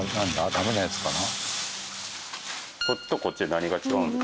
ダメなやつかな？